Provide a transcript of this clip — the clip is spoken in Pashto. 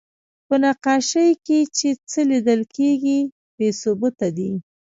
په نقاشۍ کې چې څه لیدل کېږي، بې ثبوته دي.